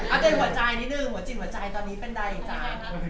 เอาเป็นหัวใจนิดหนึ่งหัวจิตหัวใจตอนนี้เป็นใดอีกจัง